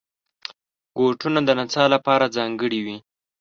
بوټونه د نڅا لپاره ځانګړي وي.